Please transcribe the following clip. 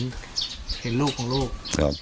แต่ตอนนี้เขาไม่รู้ว่าจะเป็นคนใหญ่นะครับ